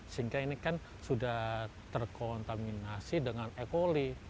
sehingga ini kan sudah terkontaminasi dengan e coli